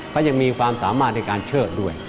เขายังมีความสามารถในการเชิดด้วย